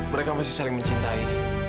mereka masih saling mencintai